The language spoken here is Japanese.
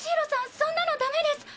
そんなのダメです。